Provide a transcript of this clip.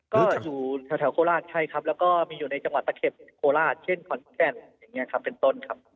ก็อยู่แถวโคราชใช่ครับแล้วก็มีอยู่ในจังหวัดตะเข็บโคราชเช่นขอนแก่นอย่างนี้ครับเป็นต้นครับ